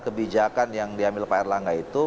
kebijakan yang diambil pak erlangga itu